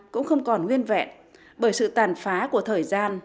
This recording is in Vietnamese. cũng không còn nguyên vẹn bởi sự tàn phá của thời gian